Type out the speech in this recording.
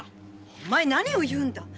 お前何を言うんだい